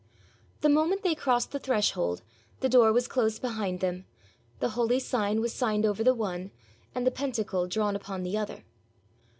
The moment they crossed the threshold, the door was closed behind them, the holy sign was signed over the one, and the pentacle drawn upon the other.